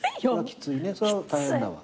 それは大変だわ。